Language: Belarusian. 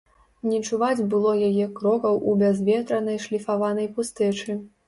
Не чуваць было яе крокаў у бязветранай шліфаванай пустэчы.